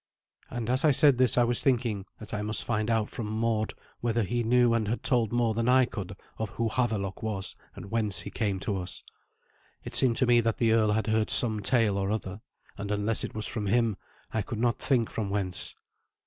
And as I said this I was thinking that I must find out from Mord whether he knew and had told more than I could of who Havelok was and whence he came to us. It seemed to me that the earl had heard some tale or other, and unless it was from him I could not think from whence.